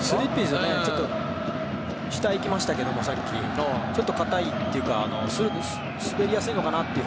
さっき、下に行きましたけどちょっと硬いというか滑りやすいのかなと。